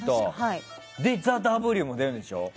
で、「ＴＨＥＷ」も出るんでしょ。